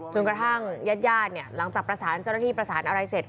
กระทั่งญาติเนี่ยหลังจากประสานเจ้าหน้าที่ประสานอะไรเสร็จ